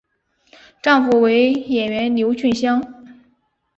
丈夫为演员刘俊相。